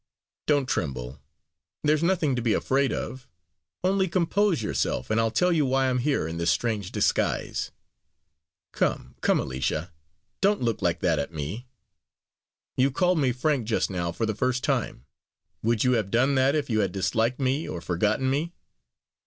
Don't tremble there's nothing to be afraid of! Only compose yourself, and I'll tell you why I am here in this strange disguise. Come, come, Alicia! don't look like that at me. You called me Frank just now, for the first time. Would you have done that, if you had disliked me or forgotten me?"